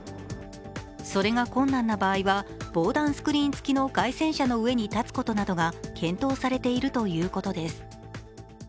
それが困難な場合は防弾スクリーン付きの街宣車の上に立つことなどが検討されているということです。